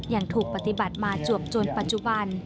ยังถูกปฏิบัติมาจวบจนปัจจุบัน